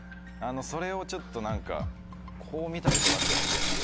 それをちょっと何かこう見たことがあったような気がして。